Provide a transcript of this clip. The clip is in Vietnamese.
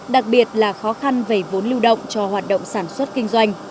đặc biệt là khó khăn về vốn lưu động cho hoạt động sản xuất kinh doanh